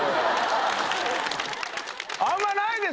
あんまないです